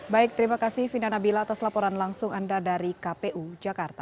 baik terima kasih vina nabila atas laporan langsung anda dari kpu jakarta